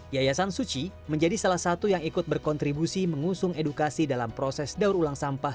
yayasan suci menjadi salah satu yang ikut berkontribusi mengusung edukasi dalam proses daur ulang sampah